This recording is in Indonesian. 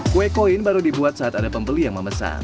kue koin baru dibuat saat ada pembeli yang memesan